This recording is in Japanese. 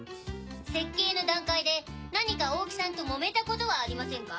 設計の段階で何か大木さんともめたことはありませんか？